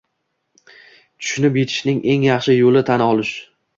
Tushunib yetishning eng yaxshi yo’li tan olish